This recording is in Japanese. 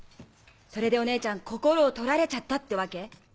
それでお姉ちゃん心を取られちゃったってわけ？